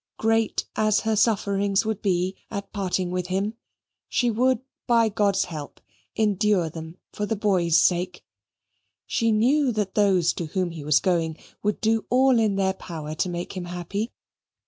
Great as her sufferings would be at parting with him she would, by God's help, endure them for the boy's sake. She knew that those to whom he was going would do all in their power to make him happy.